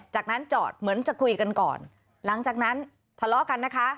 จากนั้นจอดเหมือนจะคุยกันก่อนหลังจากนั้นทะเลาะกันนะคะ